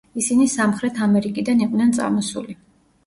ისინი სამხრეთ ამერიკიდან იყვნენ წამოსული.